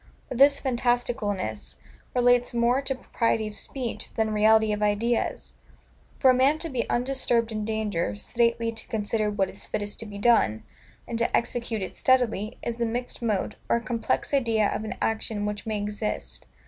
But this fantasticalness relates more to propriety of speech, than reality of ideas. For a man to be undisturbed in danger, sedately to consider what is fittest to be done, and to execute it steadily, is a mixed mode, or a complex idea of an action which may exist.